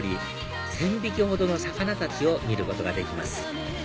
１０００匹ほどの魚たちを見ることができます